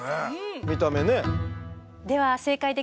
見た目ね。